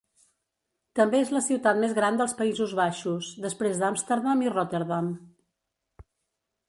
També és la ciutat més gran dels Països Baixos, després d'Amsterdam i Rotterdam.